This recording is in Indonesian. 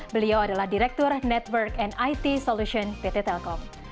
beliau adalah direktur network and it solution pt telkom